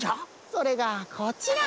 それがこちら！